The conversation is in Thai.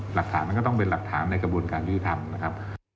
หลักฐานก็ต้องเป็นหลักฐานในกระบวนการยื่อทำ